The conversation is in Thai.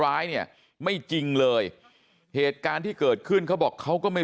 ร้ายเนี่ยไม่จริงเลยเหตุการณ์ที่เกิดขึ้นเขาบอกเขาก็ไม่